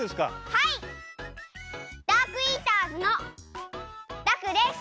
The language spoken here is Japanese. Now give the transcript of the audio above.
はいダークイーターズのダクです。